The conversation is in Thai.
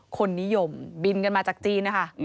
คนนิยมบินกันมาจากจีนนะคะ